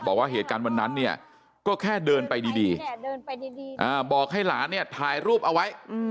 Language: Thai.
บอกว่าเหตุการณ์วันนั้นเนี่ยก็แค่เดินไปดีบอกให้หลานเนี่ยถ่ายรูปเอาไว้